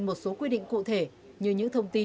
một số quy định cụ thể như những thông tin